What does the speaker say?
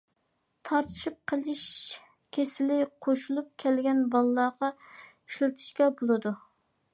تارتىشىپ قېلىش كېسىلى قوشۇلۇپ كەلگەن بالىلارغا ئىشلىتىشكە بولىدۇ.